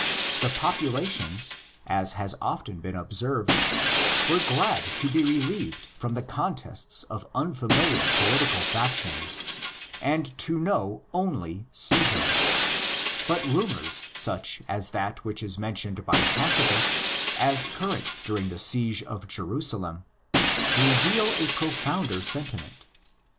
The popula ' tions, as has often been observed, were glad to be relieved from the contests of unfamiliar political factions, and to know only '' Cesar'; but rumours such as that which is mentioned by Tacitus as current during the siege of Jerusalem reveal a pro founder sentiment.